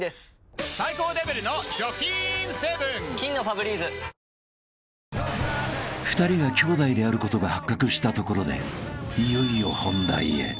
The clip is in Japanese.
「トリスハイボール」［２人が兄弟であることが発覚したところでいよいよ本題へ］